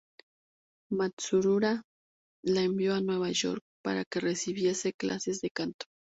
Matsuura la envió a Nueva York para que recibiese clases de canto.